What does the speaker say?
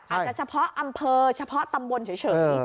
อาจจะเฉพาะอำเภอเฉพาะตำบลเฉย